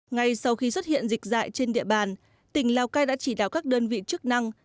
ngay sau khi xuất hiện dịch dại trên địa bàn tỉnh lào cai đã chỉ đạo các đơn vị chức năng